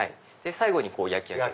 最後に焼き上げる。